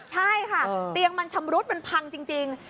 ใช่ค่ะเตียงมันชำรุดมันพังจริง